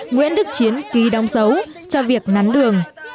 nguyễn đức chiến ký đóng dấu cho việc nắn đường